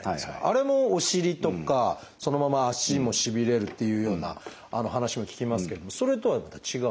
あれもお尻とかそのまま足もしびれるっていうような話も聞きますけれどもそれとはまた違うんですか？